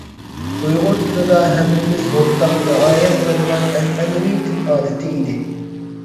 بۇ ئۇيغۇر تىلىدا ھەممىمىز ئورتاق رىئايە قىلىدىغان ئەنئەنىۋى تىل ئادىتى ئىدى.